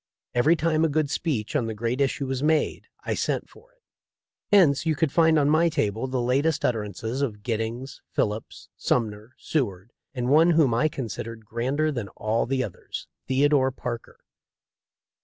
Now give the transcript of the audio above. Every time a good speech on the great issue was made I sent for it. Hence you could find on my table the latest utter ances of Giddings, Phillips, Sumner, Seward, and one whom I considered grander than all the others — Theodore Parker.